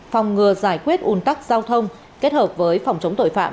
phòng ngừa giải quyết un tắc giao thông kết hợp với phòng chống tội phạm